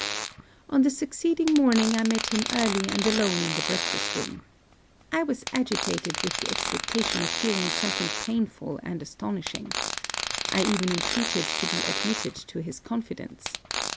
On the succeeding morning, I met him early and alone in the breakfast room. I was agitated with the expectation of hearing something painful and astonishing. I even intreated to be admitted to his confidence.